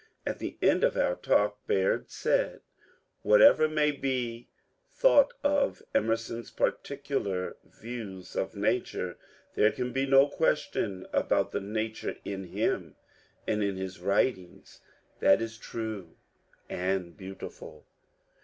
At the end of our talk Baird said, " Whatever may be thought of Emerson's particular views of nature, there can be no question about the nature in him and in his writings: that is true and beautiful."